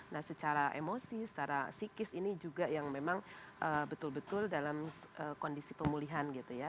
nah secara emosi secara psikis ini juga yang memang betul betul dalam kondisi pemulihan gitu ya